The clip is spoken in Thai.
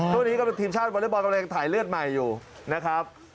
ตัวนี้ก็เป็นทีมชาติวอลเลฟบอลยังถ่ายเลือดใหม่อยู่นะครับ